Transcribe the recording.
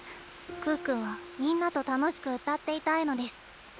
可可はみんなと楽しく歌っていたいのデス。